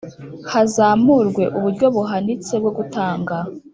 hazamurwe uburyo buhanitse bwo gutanga